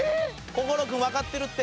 心君わかってるって。